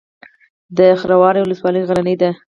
د خروار ولسوالۍ غرنۍ ده